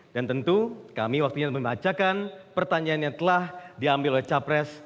dan tentu kami waktunya memacakan pertanyaan yang telah diambil oleh capri